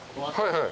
はい。